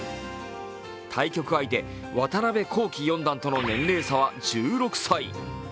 対局相手・渡辺頁規四段との年齢差は１６歳。